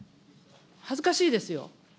恥ずかしいですよ。